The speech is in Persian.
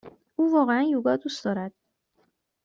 او واقعا یوگا دوست دارد.